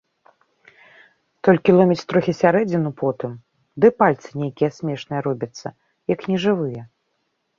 Толькі ломіць трохі сярэдзіну потым ды пальцы нейкія смешныя робяцца, як нежывыя.